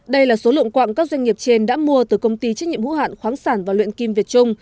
đây là số lượng quạng các doanh nghiệp trên đã mua từ công ty trách nhiệm hữu hạn khoáng sản và luyện kim việt trung